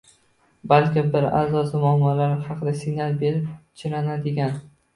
Balki bir a’zosi muammolar haqida signal berib chiranadigan